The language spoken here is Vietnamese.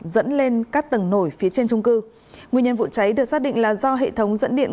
dẫn lên các tầng nổi phía trên trung cư nguyên nhân vụ cháy được xác định là do hệ thống dẫn điện